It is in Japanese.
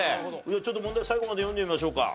ちょっと問題最後まで読んでみましょうか。